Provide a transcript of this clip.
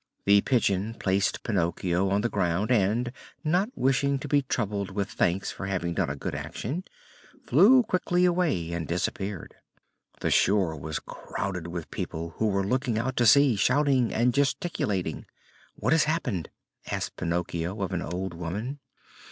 The Pigeon placed Pinocchio on the ground and, not wishing to be troubled with thanks for having done a good action, flew quickly away and disappeared. The shore was crowded with people who were looking out to sea, shouting and gesticulating. "What has happened?" asked Pinocchio of an old woman.